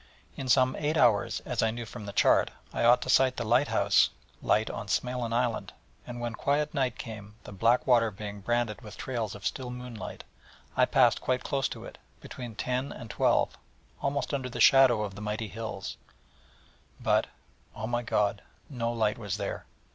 In some eight hours, as I knew from the chart, I ought to sight the lighthouse light on Smoelen Island; and when quiet night came, the black water being branded with trails of still moonlight, I passed quite close to it, between ten and twelve, almost under the shadow of the mighty hills: but, oh my God, no light was there.